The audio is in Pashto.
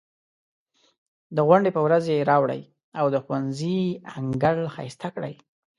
د غونډې په ورځ یې راوړئ او د ښوونځي انګړ ښایسته کړئ.